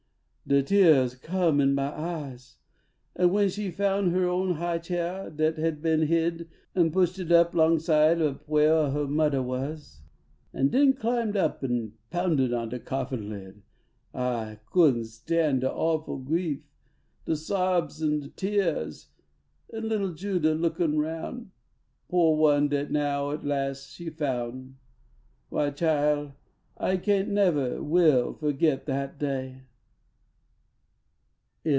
de teahs come in my eyes ! But when she foun her own high chain, Dat had been hid an pushed it up Long side ob whah her muddah was, An den climbed up an pounded on De coffin lid, I couldn t stan De awful grief de sobs an teahs An little Jude, a lookin roun Foh one dat now at las she s foun Why, chile I kain t I nevah will Fo get dat day.